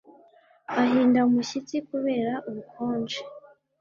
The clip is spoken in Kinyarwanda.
Ahinda umushyitsi kubera ubukonje